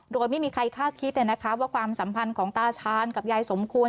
โดยไม่มีใครคาดคิดว่าความสัมพันธ์ของตาชาญกับยายสมควร